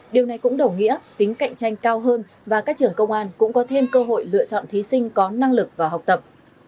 điều này cũng đồng nghĩa tính cạnh tranh cao hơn và các trường công an cũng có thêm cơ hội lựa chọn thí sinh có năng lực vào học tập